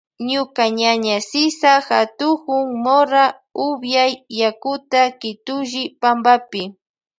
Ñuka ñaña Sisa katukun mora upyan yakuta kitulli pampapi.